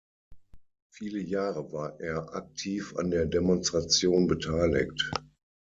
Viele Jahre war er aktiv an der Demonstration beteiligt.